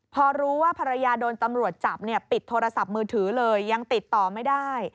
พอรู้ว่าภรรยาโดนตำรวจจับเนี่ยปิดโทรศัพท์มือถือเลยยังติดต่อไม่ได้